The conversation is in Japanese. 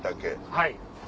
はい。